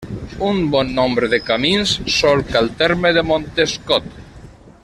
Un bon nombre de camins solca el terme de Montescot.